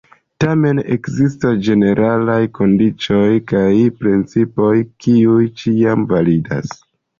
Tamen ekzistas ĝeneralaj kondiĉoj kaj principoj, kiuj ĉiam validas.